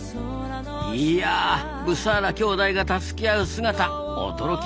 いやブサーラ兄弟が助け合う姿驚きました！